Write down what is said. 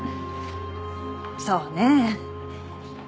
そうねえ。